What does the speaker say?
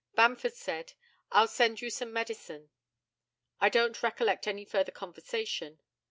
Bamford said, "I'll send you some medicine." I don't recollect any further conversation.